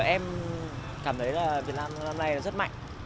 em cảm thấy là việt nam năm nay rất mạnh